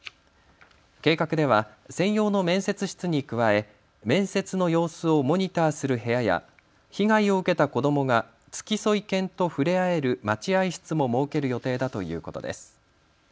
計画では専用の面接室に加え面接の様子をモニターする部屋や被害を受けた子どもが付添犬と触れ合える待合室も設ける予定だということです。